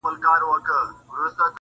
د بېلتانه نه پس د هغه په دیدار خفه یم